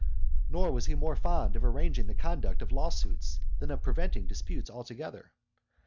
Nor was he more fond of arranging the conduct of law suits than of preventing disputes altogether.